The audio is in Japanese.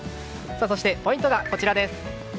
そして、ポイントがこちらです。